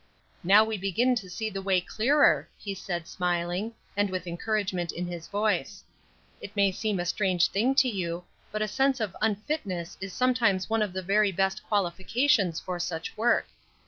"Now we begin to see the way clearer," he said, smiling, and with encouragement in his voice. "It may seem a strange thing to you, but a sense of unfitness is sometimes one of the very best qualifications for such work.